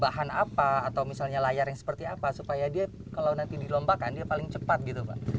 bahan apa atau misalnya layar yang seperti apa supaya dia kalau nanti dilombakan dia paling cepat gitu pak